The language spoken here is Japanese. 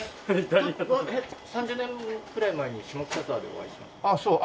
えっ３０年ぐらい前に下北沢でお会いしました。あっそう？